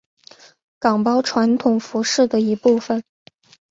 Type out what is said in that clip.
岗包传统服饰的一部分。